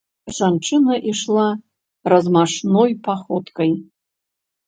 Жанчына ішла размашной паходкай.